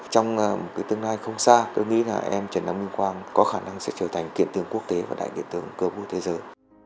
trong một tương lai không xa tôi nghĩ là em trần đăng minh quang có khả năng sẽ trở thành kiện tướng quốc tế và đại biện tướng cờ vua thế giới